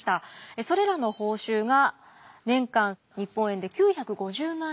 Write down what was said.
それらの報酬が年間日本円で９５０万円になります。